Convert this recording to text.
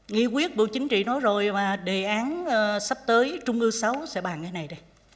nghĩ quyết bộ chính trị nói rồi mà đề án sắp tới trung ưu sáu sẽ bàn cái này đây